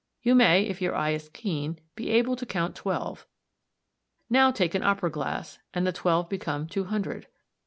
You may, if your eye is keen, be able to count twelve. Now take an opera glass and the twelve become two hundred.